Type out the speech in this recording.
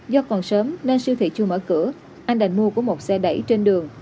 do còn sớm nên siêu thị chưa mở cửa anh đà mua của một xe đẩy trên đường